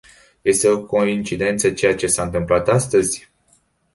Este o coincidență ceea ce s-a întâmplat astăzi?